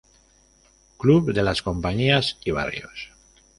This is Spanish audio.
Club de las compañías y barrios